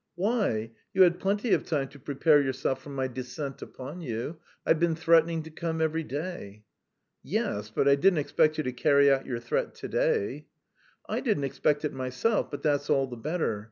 "Why? You had plenty of time to prepare yourself for my descent upon you. I've been threatening to come every day." "Yes, but I didn't expect you to carry out your threat to day." "I didn't expect it myself, but that's all the better.